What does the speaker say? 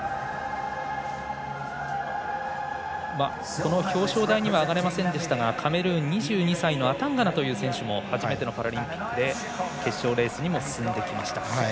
この表彰台には上がれませんでしたがカメルーン２２歳のアタンガナという選手も初めてのパラリンピックで決勝レースにも進んできました。